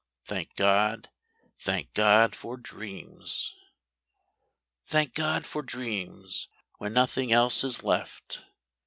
Thank God, thank God for dreams! Thank God for dreams! when nothing else is left.